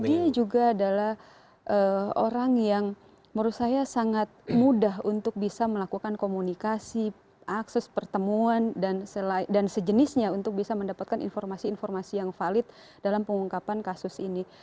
dan dia juga adalah orang yang menurut saya sangat mudah untuk bisa melakukan komunikasi akses pertemuan dan sejenisnya untuk bisa mendapatkan informasi informasi yang valid dalam pengungkapan kasus ini